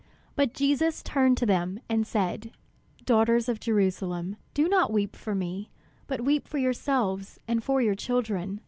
But Jesus turned to them and said: "Daughters of Jerusalem, do not weep for me, but weep for yourselves and for your children.